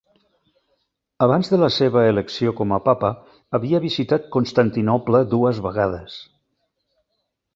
Abans de la seva elecció com a papa, havia visitat Constantinoble dues vegades.